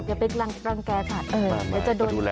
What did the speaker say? อย่าไปร่างแก่ค่ะเดี๋ยวจะโดนโทษ